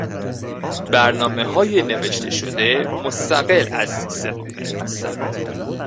برنامههای نوشتهشده مستقل از سیستمعامل هستند.